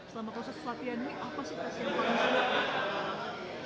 selama proses latihan ini apa sih persiapan